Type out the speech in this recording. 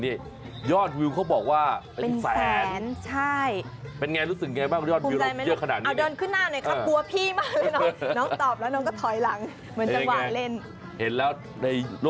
ดีใจไหมตื่นเต้นไหม